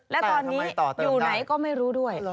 และตอนนี้อยู่ไหนก็ไม่รู้ด้วย